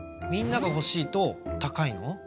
みんながほしいとたかいの？